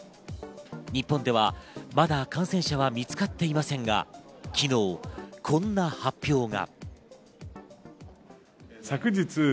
日本では、まだ感染者は見つかっていませんが、昨日、こんな発表が。